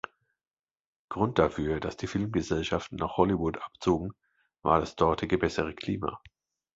Grund dafür, dass die Filmgesellschaften nach Hollywood abzogen, war das dortige bessere Klima.